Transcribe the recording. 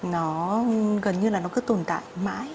nó gần như là nó cứ tồn tại mãi